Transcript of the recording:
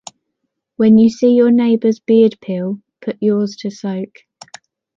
When you see your neighbor’s beard peel, put yours to soak.